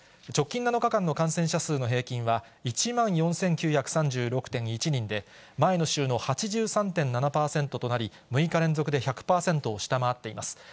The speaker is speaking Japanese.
直近７日間の感染者数の平均は、１万４９３６．１人で、前の週の８３．７％となり、６日連続で１００％を下回っています。